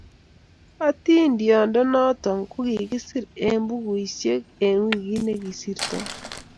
Hatindiondonoto ko kikiser eng bukuisiek eng wikit nekisirtoi